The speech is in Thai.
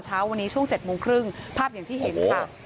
เช้าวันนี้ช่วง๗โมงครึ่งภาพอย่างที่เห็นค่ะ